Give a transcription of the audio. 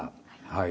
はい。